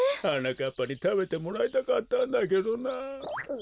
はなかっぱにたべてもらいたかったんだけどな。